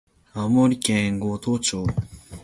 青森県五戸町